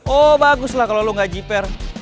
oh bagus lah kalo lu ga jiper